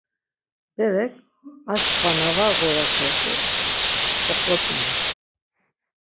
Berek, aşǩva na var ğurasert̆u koxvotzonu.